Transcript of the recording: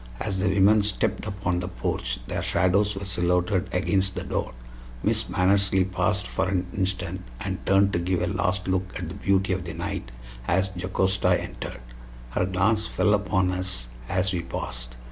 As the women stepped upon the porch their shadows were silhouetted against the door. Miss Mannersley paused for an instant, and turned to give a last look at the beauty of the night as Jocasta entered. Her glance fell upon us as we passed.